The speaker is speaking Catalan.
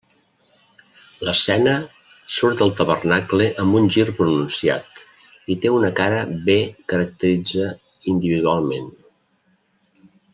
L'escena surt del tabernacle amb un gir pronunciat i té una cara bé caracteritza individualment.